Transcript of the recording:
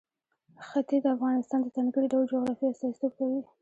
ښتې د افغانستان د ځانګړي ډول جغرافیه استازیتوب کوي.